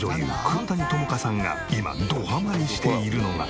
黒谷友香さんが今どハマりしているのが。